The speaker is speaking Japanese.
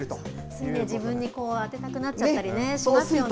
つい自分に当てたくなっちゃったりね、しますよね。